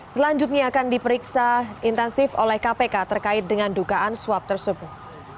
selanjutnya akan diperiksa intensif oleh kpk terkait dengan dugaan suap tersebut